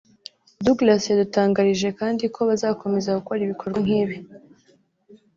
Douglas yadutangarije kandi ko bazakomeza gukora ibikorwa nkibi